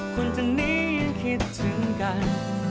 คนทั้งนี้ยังคิดถึงกัน